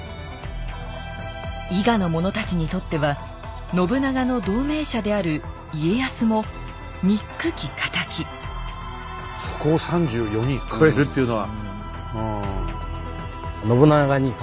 伊賀の者たちにとっては信長の同盟者である家康もにっくき敵そこを３４人で越えるっていうのは。